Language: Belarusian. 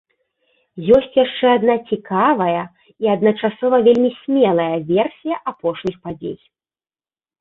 Ёсць яшчэ адна цікавая і адначасова вельмі смелая версія апошніх падзей.